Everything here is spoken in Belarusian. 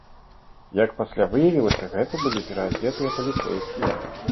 Як пасля выявілася, гэта былі пераадзетыя паліцэйскія.